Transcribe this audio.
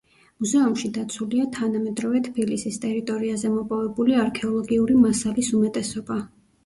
მუზეუმში დაცულია თანამედროვე თბილისის ტერიტორიაზე მოპოვებული არქეოლოგიური მასალის უმეტესობა.